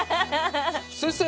先生